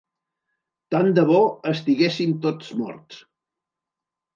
Tant de bo estiguéssim tots morts.